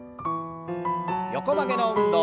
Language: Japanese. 横曲げの運動。